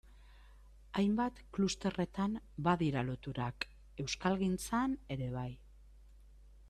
Hainbat klusterretan badira loturak, euskalgintzan ere bai...